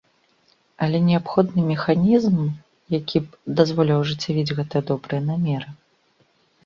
Але неабходны механізм, які б дазволіў ажыццявіць гэтыя добрыя намеры.